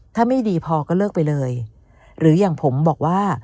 ถ้าไม่ดีพอก็เลิกไปเลยหรืออย่างผมบอกว่า